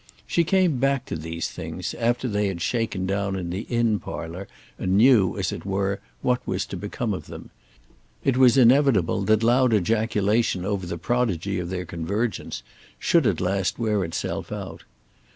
She came back to these things after they had shaken down in the inn parlour and knew, as it were, what was to become of them; it was inevitable that loud ejaculation over the prodigy of their convergence should at last wear itself out.